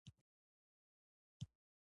زموږ نږدې خپلوان شامپانزي او ګوریلا دي.